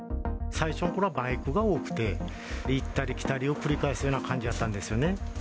最初のころはバイクが多くて、行ったり来たりを繰り返すような感じやったんですよね。